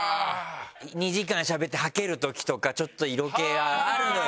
２時間しゃべってはける時とかちょっと色気あるのよ。